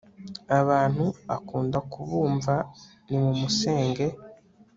abantu akunda kubumva nimumusenge